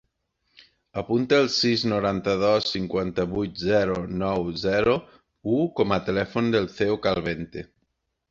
Apunta el sis, noranta-dos, cinquanta-vuit, zero, nou, zero, u com a telèfon del Theo Calvente.